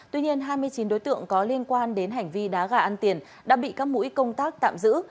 tuy nhiên hai mươi chín đối tượng có liên quan đến hành vi đá gà ăn tiền đã bị các mũi công tác tạm giữ